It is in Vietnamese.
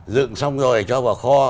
dựng xong rồi cho vào kho